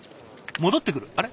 戻ってくる？